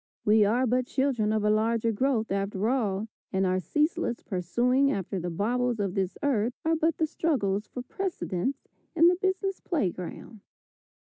"We are but children of a larger growth" after all, and our ceaseless pursuing after the baubles of this earth are but the struggles for precedence in the business play ground.